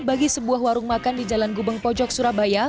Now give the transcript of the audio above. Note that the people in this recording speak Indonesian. bagi sebuah warung makan di jalan gubeng pojok surabaya